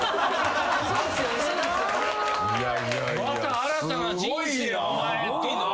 また新たな人生。